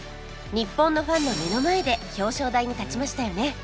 日本のファンの目の前で表彰台に立ちましたよね